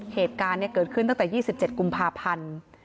เหตุการณ์เกิดขึ้นตั้งแต่๒๗กุมภาพันธ์